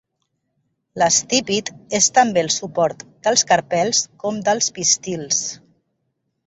L'estípit és també el suport dels carpels com dels pistils.